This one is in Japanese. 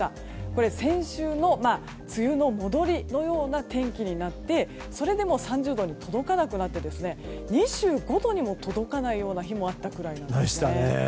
これは先週の梅雨の戻りのような天気になってそれでも３０度に届かなくなって２５度にも届かないような日もあったくらいだったんですね。